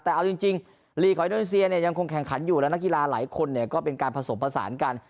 แต่เอาจริงลีกไอโนเซียยังคงแข่งขันอยู่แล้วนักกีฬาหลายคนก็เป็นการผสมผสานกัน